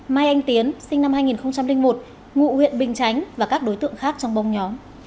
mai anh tiến sinh năm hai nghìn một ngụ huyện bình chánh và các đối tượng khác trong bông nhóm